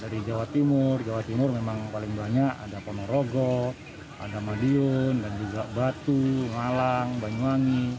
r i di surabaya